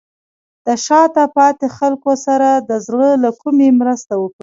د شاته پاتې خلکو سره د زړه له کومې مرسته وکړئ.